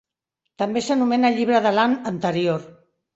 També s'anomena Llibre del Han Anterior.